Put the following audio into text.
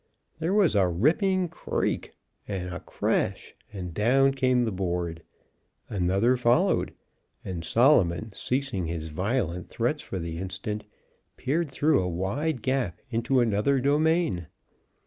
There was a ripping creak and a crash, and down came the board. Another followed, and Solomon, ceasing his violent threats for the instant, peered through a wide gap into another domain.